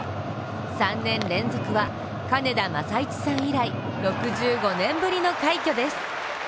３年連続は金田正一さん以来６５年ぶりの快挙です。